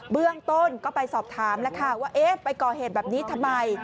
เบื้องต้นก็ไปสอบถามแล้วค่ะว่าเอ๊ะไปก่อเหตุแบบนี้ทำไม